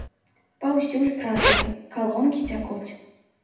Паўсюль прарывы, калонкі цякуць!